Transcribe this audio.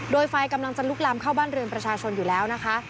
โดยไฟกำลังจะลุกลามเข้าบ้านเรือนประชาชนอยู่แล้วนะคะ